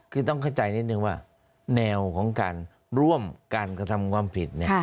คือต้องเข้าใจนิดนึงว่าแนวของการร่วมการกระทำความผิดเนี่ย